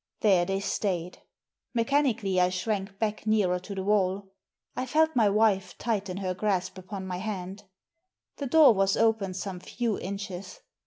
There they stayed. Mechanically I shrank back nearer to the wall. I felt my wife tighten her grasp upon my hand. The door was open some few inches.